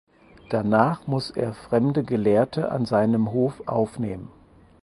Danach muss er fremde Gelehrte an seinem Hof aufnehmen.